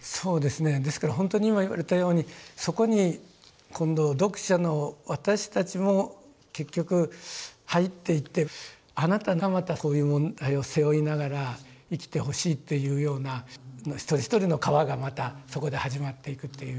そうですねですからほんとに今言われたようにそこに今度読者の私たちも結局入っていってあなたがまたこういう問題を背負いながら生きてほしいっていうような一人一人の河がまたそこで始まっていくというようなことがあるんですよね。